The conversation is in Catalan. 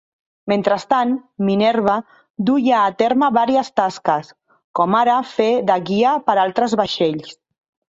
Mentrestant, "Minerva" duia a terme vàries tasques, com ara fer de guia per altres vaixells.